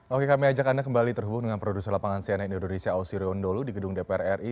oke kami ajak anda kembali terhubung dengan produser lapangan cnn indonesia ausirion dholu di gedung dpr ri